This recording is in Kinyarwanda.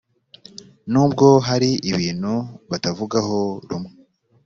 nubwo hari ibintu batavugaho rumwe